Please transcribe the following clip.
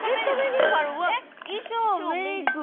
衣装メイク